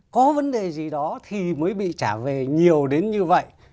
có vấn đề gì đó thì mới bị trả về nhiều đến như vậy